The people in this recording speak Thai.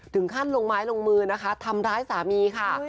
ถึงขั้นลงไม้ลงมือนะคะทำร้ายสามีค่ะ